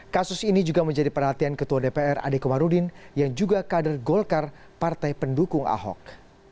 kasus ini juga menjadi perhatian ketua dpr adekomarudin yang juga kader golkar partai pendukung ahok